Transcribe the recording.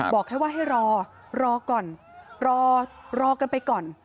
บอกแค่ว่าให้รอรอก่อนรอกันไปก่อน